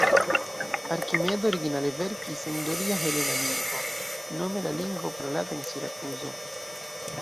Arkimedo originale verkis en doria helena lingvo, nome la lingvo parolata en Sirakuzo.